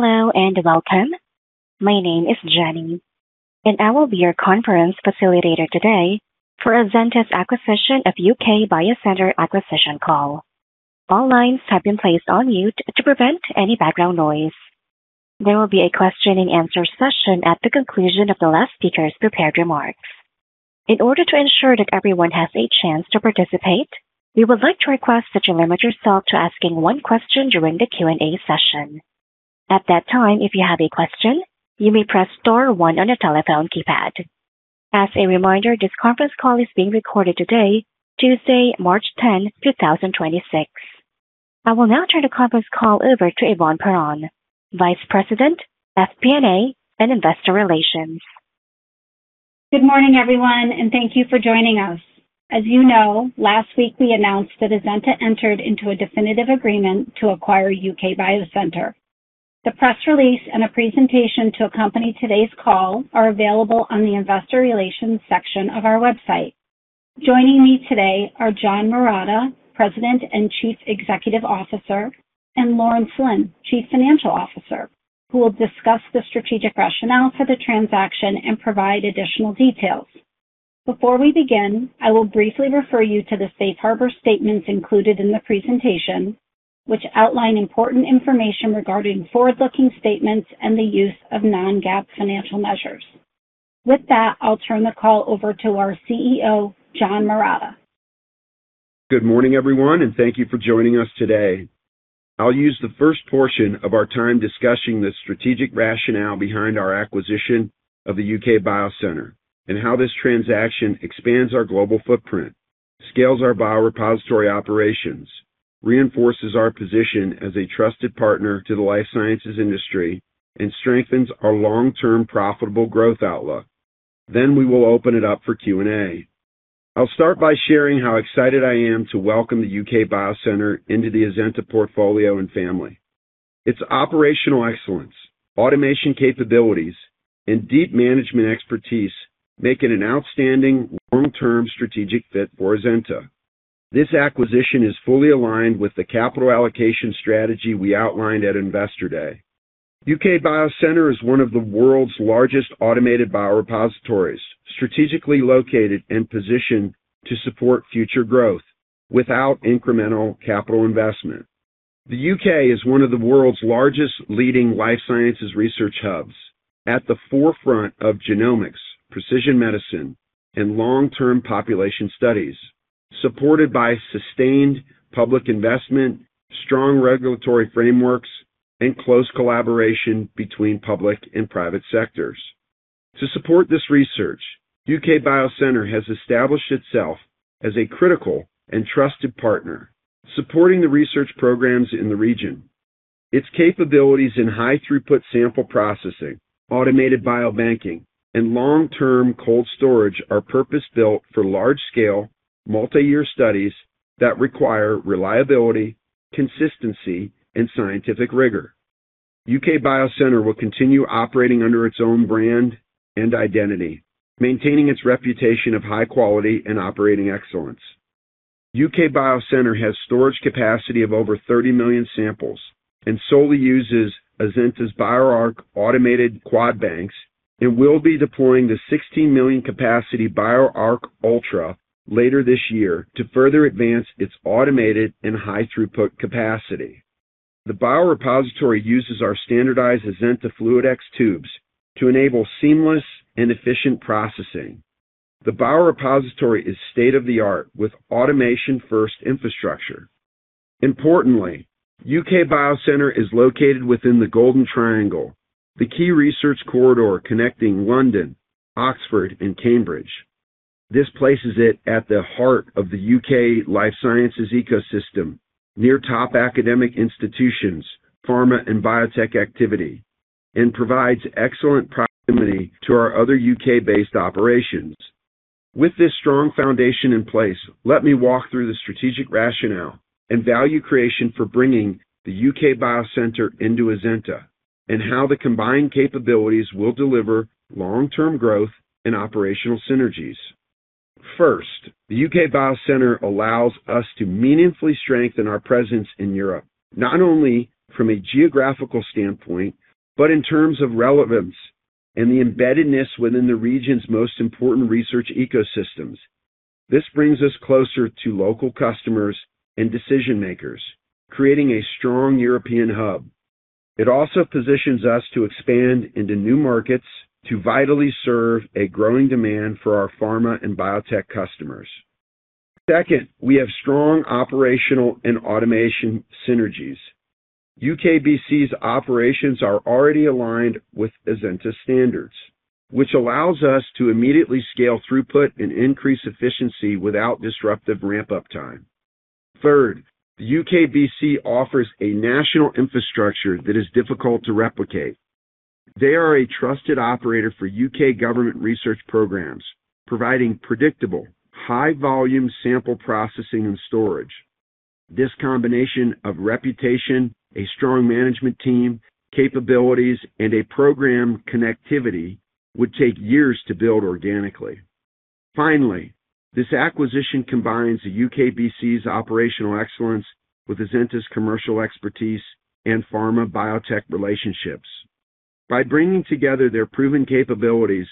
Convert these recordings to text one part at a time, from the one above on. Hello and welcome. My name is Jenny, and I will be your conference facilitator today for Azenta's Acquisition of UK Biocentre Acquisition Call. All lines have been placed on mute to prevent any background noise. There will be a question and answer session at the conclusion of the last speaker's prepared remarks. In order to ensure that everyone has a chance to participate, we would like to request that you limit yourself to asking one question during the Q&A session. At that time, if you have a question, you may press star one on your telephone keypad. As a reminder, this conference call is being recorded today, Tuesday, March 10, 2026. I will now turn the conference call over to Yvonne Perron, Vice President, FP&A, and Investor Relations. Good morning, everyone, and thank you for joining us. As you know, last week we announced that Azenta entered into a definitive agreement to acquire UK Biocentre. The press release and a presentation to accompany today's call are available on the investor relations section of our website. Joining me today are John Marotta, President and Chief Executive Officer, and Lawrence Lin, Chief Financial Officer, who will discuss the strategic rationale for the transaction and provide additional details. Before we begin, I will briefly refer you to the safe harbor statements included in the presentation, which outline important information regarding forward-looking statements and the use of non-GAAP financial measures. With that, I'll turn the call over to our CEO, John Marotta. Good morning, everyone, and thank you for joining us today. I'll use the first portion of our time discussing the strategic rationale behind our acquisition of the UK Biocentre and how this transaction expands our global footprint, scales our biorepository operations, reinforces our position as a trusted partner to the life sciences industry, and strengthens our long-term profitable growth outlook. We will open it up for Q&A. I'll start by sharing how excited I am to welcome the UK Biocentre into the Azenta portfolio and family. Its operational excellence, automation capabilities, and deep management expertise make it an outstanding long-term strategic fit for Azenta. This acquisition is fully aligned with the capital allocation strategy we outlined at Investor Day. UK Biocentre is one of the world's largest automated biorepositories, strategically located and positioned to support future growth without incremental capital investment. The UK is one of the world's largest leading life sciences research hubs at the forefront of genomics, precision medicine, and long-term population studies, supported by sustained public investment, strong regulatory frameworks, and close collaboration between public and private sectors. To support this research, UK Biocentre has established itself as a critical and trusted partner, supporting the research programs in the region. Its capabilities in high-throughput sample processing, automated biobanking, and long-term cold storage are purpose-built for large-scale, multi-year studies that require reliability, consistency, and scientific rigor. UK Biocentre will continue operating under its own brand and identity, maintaining its reputation of high-quality and operating excellence. UK Biocentre has storage capacity of over 30 million samples and solely uses Azenta's BioArc automated biobanks and will be deploying the 16 million capacity BioArc Ultra later this year to further advance its automated and high-throughput capacity. The biorepository uses our standardized Azenta FluidX tubes to enable seamless and efficient processing. The biorepository is state-of-the-art with automation-first infrastructure. Importantly, UK Biocentre is located within the Golden Triangle, the key research corridor connecting London, Oxford, and Cambridge. This places it at the heart of the UK life sciences ecosystem, near top academic institutions, pharma and biotech activity, and provides excellent proximity to our other UK-based operations. With this strong foundation in place, let me walk through the strategic rationale and value creation for bringing the UK Biocentre into Azenta and how the combined capabilities will deliver long-term growth and operational synergies. First, the UK Biocentre allows us to meaningfully strengthen our presence in Europe, not only from a geographical standpoint, but in terms of relevance and the embeddedness within the region's most important research ecosystems. This brings us closer to local customers and decision-makers, creating a strong European hub. It also positions us to expand into new markets to vitally serve a growing demand for our pharma and biotech customers. Second, we have strong operational and automation synergies. UKBC's operations are already aligned with Azenta's standards, which allows us to immediately scale throughput and increase efficiency without disruptive ramp-up time. Third, the UKBC offers a national infrastructure that is difficult to replicate. They are a trusted operator for UK government research programs, providing predictable, high-volume sample processing and storage. This combination of reputation, a strong management team, capabilities, and a program connectivity would take years to build organically. Finally, this acquisition combines the UKBC's operational excellence with Azenta's commercial expertise and pharma biotech relationships. By bringing together their proven capabilities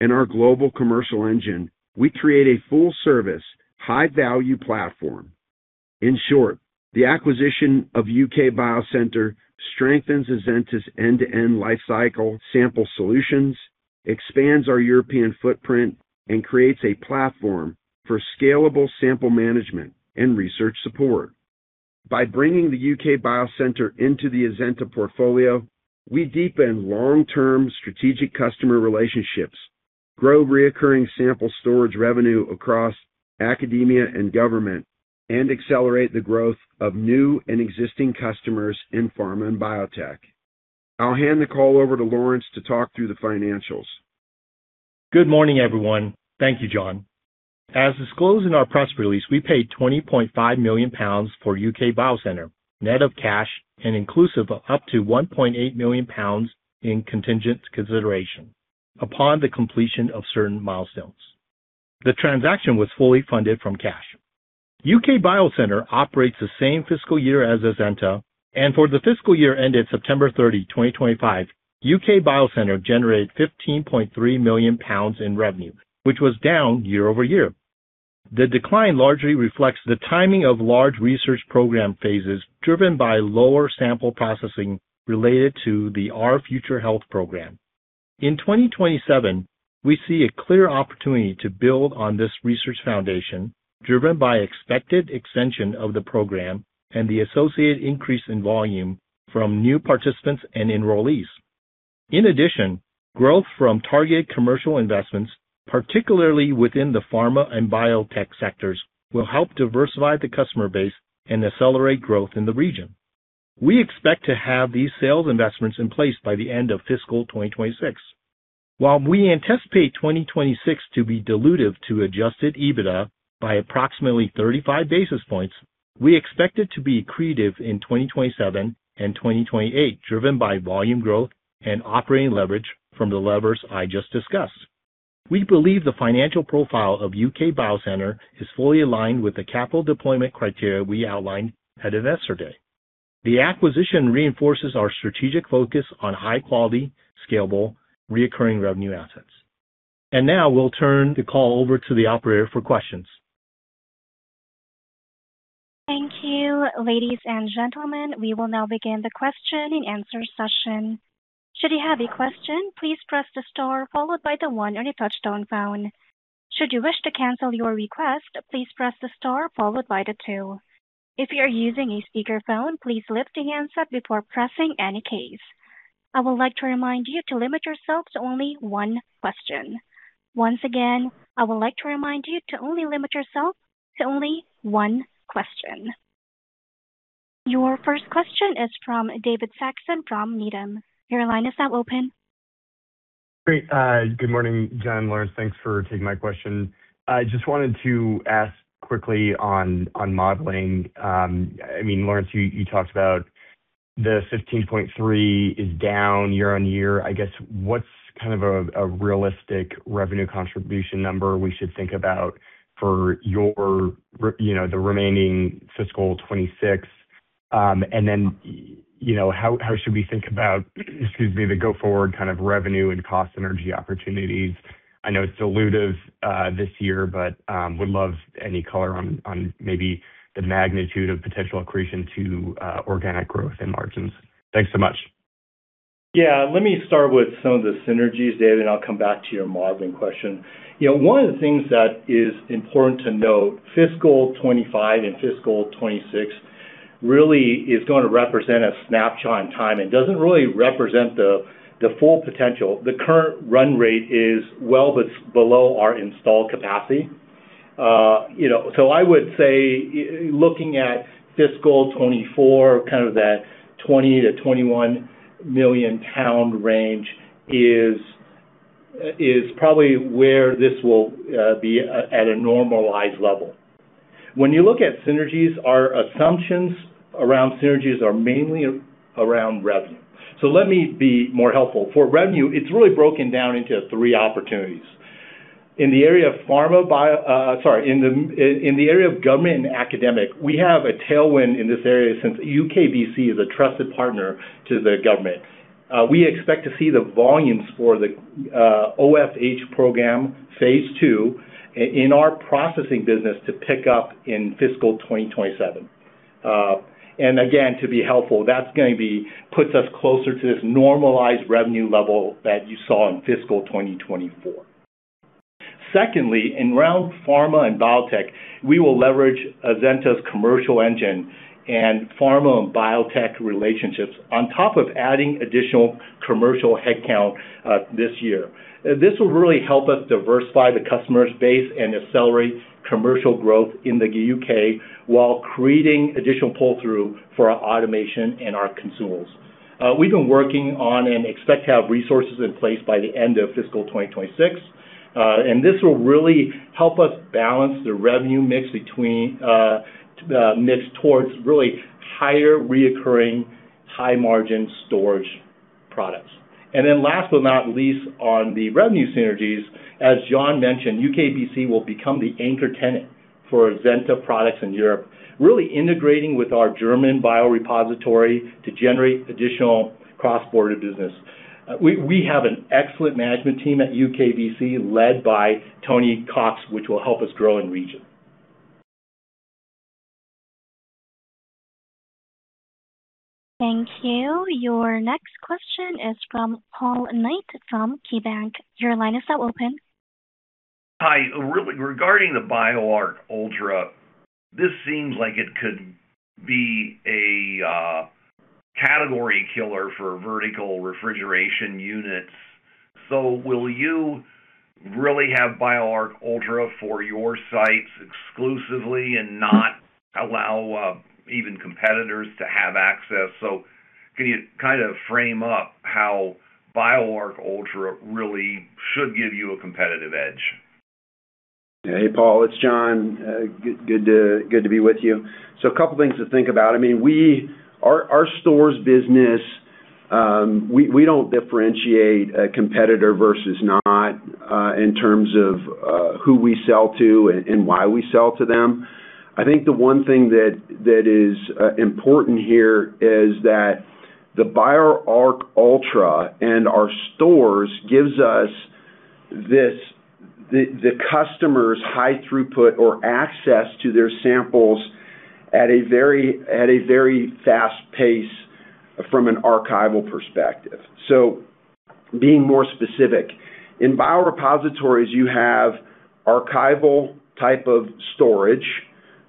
and our global commercial engine, we create a full-service, high-value platform. In short, the acquisition of UK Biocentre strengthens Azenta's end-to-end lifecycle sample solutions, expands our European footprint, and creates a platform for scalable sample management and research support. By bringing the UK Biocentre into the Azenta portfolio, we deepen long-term strategic customer relationships, grow recurring sample storage revenue across academia and government, and accelerate the growth of new and existing customers in pharma and biotech. I'll hand the call over to Lawrence to talk through the financials. Good morning, everyone. Thank you, John. As disclosed in our press release, we paid 20.5 million pounds for UK Biocentre, net of cash and inclusive of up to 1.8 million pounds in contingent consideration upon the completion of certain milestones. The transaction was fully funded from cash. UK Biocentre operates the same fiscal year as Azenta, and for the fiscal year ended September 30, 2025, UK Biocentre generated 15.3 million pounds in revenue, which was down year-over-year. The decline largely reflects the timing of large research program s, driven by lower sample processing related to the Our Future Health program. In 2027, we see a clear opportunity to build on this research foundation, driven by expected extension of the program and the associated increase in volume from new participants and enrollees. In addition, growth from targeted commercial investments, particularly within the pharma and biotech sectors, will help diversify the customer base and accelerate growth in the region. We expect to have these sales investments in place by the end of fiscal 2026. While we anticipate 2026 to be dilutive to Adjusted EBITDA by approximately 35 basis points, we expect it to be accretive in 2027 and 2028, driven by volume growth and operating leverage from the levers I just discussed. We believe the financial profile of UK Biocentre is fully aligned with the capital deployment criteria we outlined at Investor Day. The acquisition reinforces our strategic focus on high quality, scalable, recurring revenue assets. Now we'll turn the call over to the operator for questions. Thank you. Ladies and gentlemen, we will now begin the question and answer session. Should you have a question, please press the star followed by the one on your touchtone phone. Should you wish to cancel your request, please press the star followed by the two. If you're using a speaker phone, please lift the handset before pressing any keys. I would like to remind you to limit yourself to only one question. Once again, I would like to remind you to limit yourself to only one question. Your first question is from David Saxon from Needham. Your line is now open. Great. Good morning, John, Lawrence. Thanks for taking my question. I just wanted to ask quickly on modeling. I mean, Lawrence, you talked about the 15.3 is down year-over-year. I guess, what's kind of a realistic revenue contribution number we should think about for your you know, the remaining fiscal 2026? And then, you know, how should we think about, excuse me, the go forward kind of revenue and cost synergy opportunities? I know it's dilutive, this year, but, would love any color on, maybe the magnitude of potential accretion to, organic growth and margins. Thanks so much. Yeah. Let me start with some of the synergies, David, and I'll come back to your modeling question. You know, one of the things that is important to note, fiscal 2025 and fiscal 2026 really is gonna represent a snapshot in time. It doesn't really represent the full potential. The current run rate is well below our installed capacity. You know, so I would say looking at fiscal 2024, kind of that 20-21 million pound range is probably where this will be at a normalized level. When you look at synergies, our assumptions around synergies are mainly around revenue. Let me be more helpful. For revenue, it's really broken down into three opportunities. In the area of pharma bio. In the area of government and academic, we have a tailwind in this area since UKBC is a trusted partner to the government. We expect to see the volumes for the OFH program phase II in our processing business to pick up in fiscal 2027. Again, to be helpful, that's gonna be puts us closer to this normalized revenue level that you saw in fiscal 2024. Secondly, around pharma and biotech, we will leverage Azenta's commercial engine and pharma and biotech relationships on top of adding additional commercial headcount this year. This will really help us diversify the customer's base and accelerate commercial growth in the U.K. while creating additional pull-through for our automation and our consumables. We've been working on and expect to have resources in place by the end of fiscal 2026. This will really help us balance the revenue mix towards really higher recurring, high margin storage products. Last but not least, on the revenue synergies, as John mentioned, UKBC will become the anchor tenant for Azenta products in Europe, really integrating with our German biorepository to generate additional cross-border business. We have an excellent management team at UKBC, led by Tony Cox, which will help us grow in region. Thank you. Your next question is from Paul Knight from KeyBanc Capital Markets. Your line is now open. Hi. Regarding the BioArc Ultra, this seems like it could be a category killer for vertical refrigeration units. Will you really have BioArc Ultra for your sites exclusively and not allow even competitors to have access? Can you kind of frame up how BioArc Ultra really should give you a competitive edge? Hey, Paul, it's John. Good to be with you. A couple things to think about. I mean, Our SampleStore business, we don't differentiate a competitor versus not, in terms of, who we sell to and why we sell to them. I think the one thing that is important here is that the BioArc Ultra and our SampleStore gives us this, the customer's high throughput or access to their samples at a very fast pace from an archival perspective. Being more specific, in biorepositories you have archival type of storage,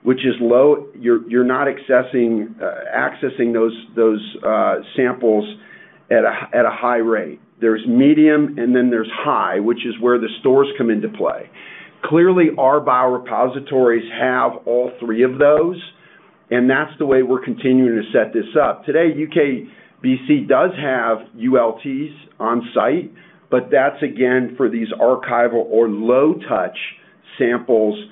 which is low. You're not accessing those samples at a high rate. There's medium and then there's high, which is where the SampleStore come into play. Clearly, our biorepositories have all three of those, and that's the way we're continuing to set this up. Today, UKBC does have ULTs on site, but that's again for these archival or low touch samples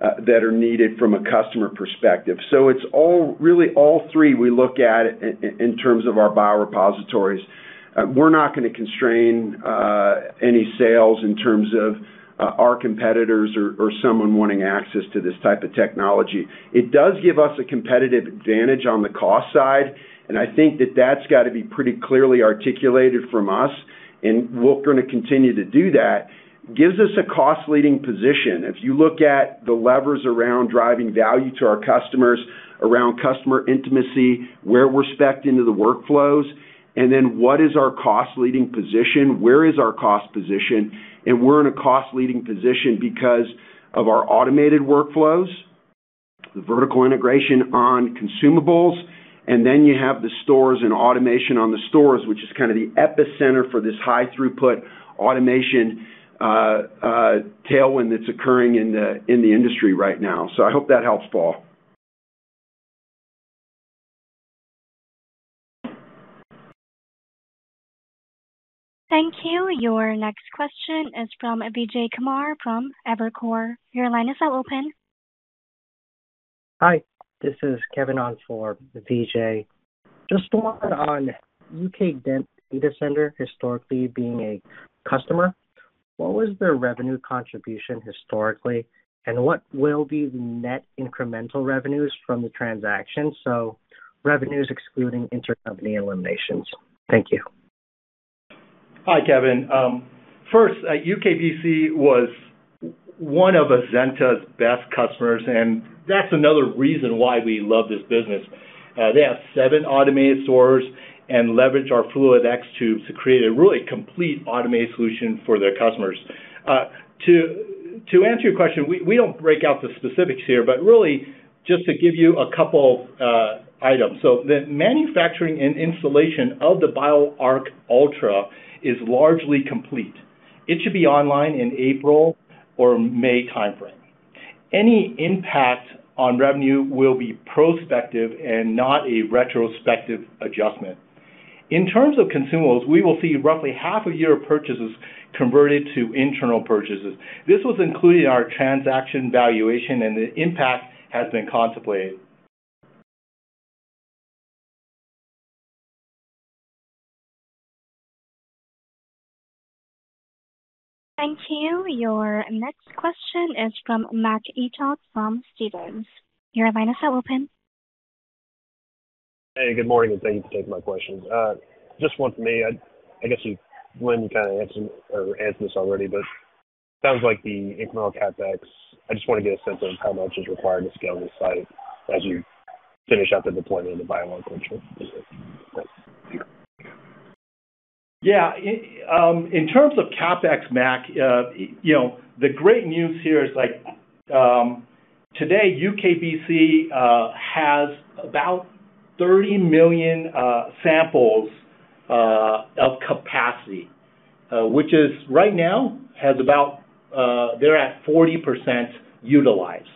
that are needed from a customer perspective. It's all, really all three we look at in terms of our biorepositories. We're not gonna constrain any sales in terms of our competitors or someone wanting access to this type of technology. It does give us a competitive advantage on the cost side, and I think that that's gotta be pretty clearly articulated from us, and we're gonna continue to do that. Gives us a cost leading position. If you look at the levers around driving value to our customers, around customer intimacy, where we're specced into the workflows, and then what is our cost leading position, where is our cost position? We're in a cost leading position because of our automated workflows, the vertical integration on consumables, and then you have the SampleStore and automation on the SampleStore, which is kind of the epicenter for this high throughput automation, tailwind that's occurring in the industry right now. I hope that helps, Paul. Thank you. Your next question is from Vijay Kumar from Evercore. Your line is now open. Hi, this is Kevin on for Vijay. Just one on UK Biocentre historically being a customer, what was their revenue contribution historically, and what will be the net incremental revenues from the transaction? So revenues excluding intercompany eliminations. Thank you. Hi, Kevin. First, UKBC was one of Azenta's best customers, and that's another reason why we love this business. They have seven automated SampleStore and leverage our FluidX tubes to create a really complete automated solution for their customers. To answer your question, we don't break out the specifics here, but really just to give you a couple items. The manufacturing and installation of the BioArc Ultra is largely complete. It should be online in April or May timeframe. Any impact on revenue will be prospective and not a retrospective adjustment. In terms of consumables, we will see roughly half a year of purchases converted to internal purchases. This was included in our transaction valuation, and the impact has been contemplated. Thank you. Your next question is from Matthew Stanton from Jefferies. Your line is now open. Good morning, and thank you for taking my questions. Just one from me. I guess Lawrence Lin kind of answered this already, but it sounds like the incremental CapEx. I just want to get a sense of how much is required to scale this site as you finish out the deployment of the BioArc Ultra. Thank you. Yeah. In terms of CapEx, Mac, you know, the great news here is, like, today UKBC has about 30 million samples of capacity, they're at 40% utilized.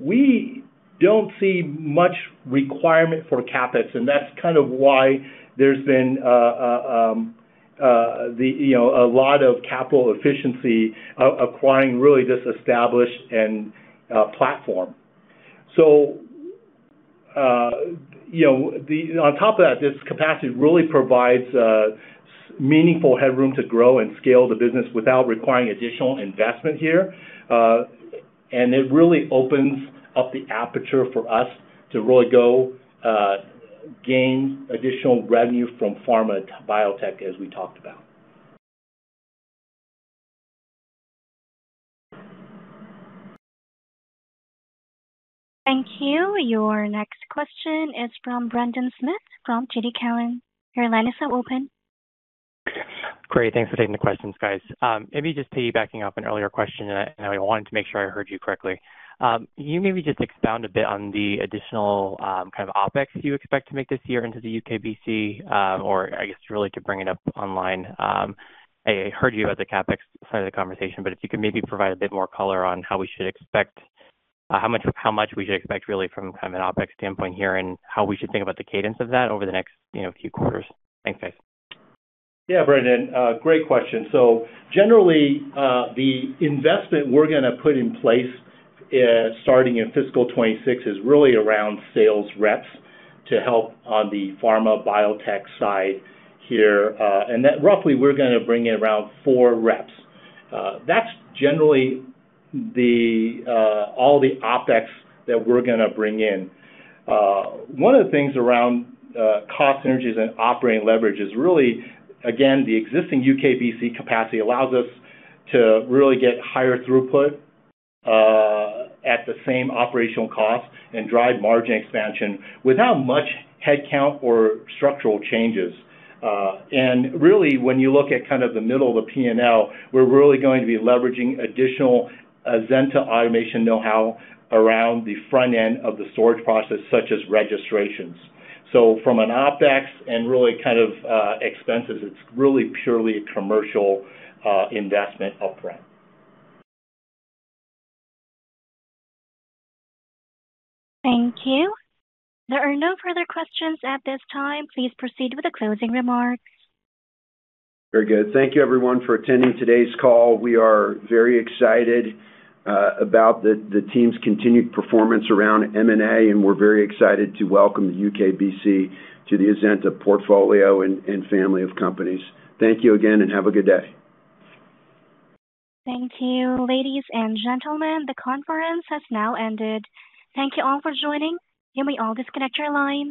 We don't see much requirement for CapEx, and that's kind of why there's been, you know, a lot of capital efficiency acquiring really this established and platform. You know, on top of that, this capacity really provides meaningful headroom to grow and scale the business without requiring additional investment here. It really opens up the aperture for us to really go gain additional revenue from pharma to biotech, as we talked about. Thank you. Your next question is from Brendan Smith from TD Cowen. Your line is now open. Great. Thanks for taking the questions, guys. Maybe just, Pete, backing up an earlier question, I wanted to make sure I heard you correctly. Can you maybe just expound a bit on the additional kind of OpEx you expect to make this year into the UKBC, or I guess really to bring it up online. I heard you at the CapEx side of the conversation, but if you could maybe provide a bit more color on how we should expect, how much we should expect really from kind of an OpEx standpoint here and how we should think about the cadence of that over the next, you know, few quarters. Thanks, guys. Yeah, Brendan, great question. Generally, the investment we're gonna put in place, starting in fiscal 2026 is really around sales reps to help on the pharma biotech side here. That roughly we're gonna bring in around four reps. That's generally all the OpEx that we're gonna bring in. One of the things around cost synergies and operating leverage is really, again, the existing UKBC capacity allows us to really get higher throughput at the same operational cost and drive margin expansion without much headcount or structural changes. Really, when you look at kind of the middle of the P&L, we're really going to be leveraging additional Azenta automation know-how around the front end of the storage process, such as registrations. From an OpEx and really kind of expenses, it's really purely a commercial investment upfront. Thank you. There are no further questions at this time. Please proceed with the closing remarks. Very good. Thank you everyone for attending today's call. We are very excited about the team's continued performance around M&A, and we're very excited to welcome UKBC to the Azenta portfolio and family of companies. Thank you again, and have a good day. Thank you. Ladies and gentlemen, the conference has now ended. Thank you all for joining. You may all disconnect your lines.